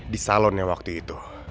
di salonnya waktu itu